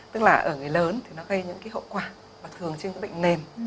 tức là ở người lớn thì nó gây những cái hậu quả và thường trên cái bệnh nền